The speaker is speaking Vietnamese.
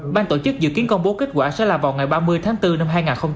ban tổ chức dự kiến công bố kết quả sẽ là vào ngày ba mươi tháng bốn năm hai nghìn hai mươi bốn